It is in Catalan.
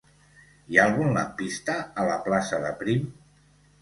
Hi ha algun lampista a la plaça de Prim?